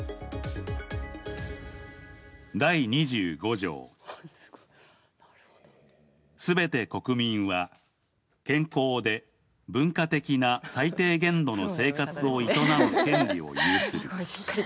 第２５条すべて国民は、健康で文化的な最低限度の生活を営む権利を有する。